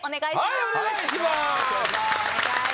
はいお願いします。